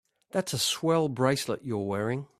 That's a swell bracelet you're wearing.